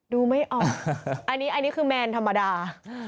ดูไม่ออกอันนี้คือแมนธรรมดา